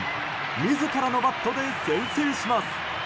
自らのバットで先制します。